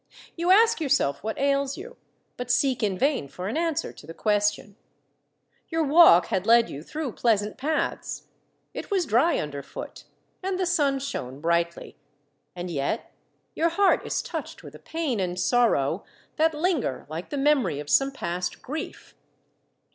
You ask yourself what ails you, but seek in vain for an answer to the question. Your walk had led you through pleas ant paths; it was dry underfoot, and the sun shone brightly, and yet your heart is touched with a pain and sorrow that linger like the memory of some past grief.